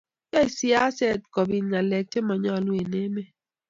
yoe siaset kobiiy ngalek chemanyalu eng emet